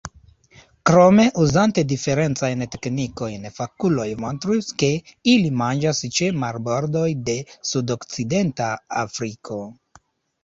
Krome, uzante diferencajn teknikojn, fakuloj montris, ke ili manĝas ĉe marbordoj de sudokcidenta Afriko.